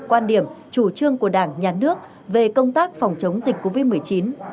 quan điểm chủ trương của đảng nhà nước về công tác phòng chống dịch covid một mươi chín